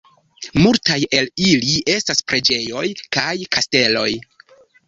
Multaj el ili estas preĝejoj kaj kasteloj.